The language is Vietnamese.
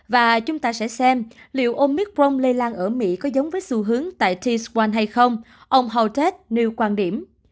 và chúng ta sẽ xem liệu omicron lây lan ở mỹ có giống với xu hướng tại tis một hay không ông holtet nêu quan điểm